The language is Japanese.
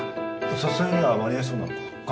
撮影には間に合いそうなのか？